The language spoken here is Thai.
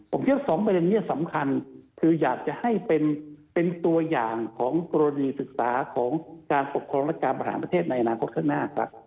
ผมเชื่อสองประเด็นนี้สำคัญคืออยากจะให้เป็นตัวอย่างของกรณีศึกษาของการปกครองรัฐการประหารประเทศในอนาคตข้างหน้าครับ